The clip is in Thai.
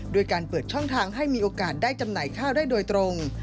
ด้วยการเปิดช่องทางให้มีโอกาสได้จำหน่ายข้าวได้โดยตรง